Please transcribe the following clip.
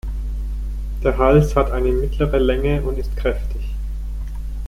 Der Hals hat eine mittlere Länge und ist kräftig.